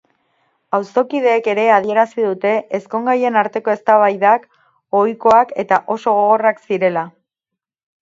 Auzokideek ere adierazi dute ezkongaien arteko eztabaidak ohikoak eta oso gogorrak zirela.